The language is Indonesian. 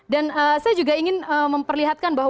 dan saya juga ingin memperlihatkan bahwa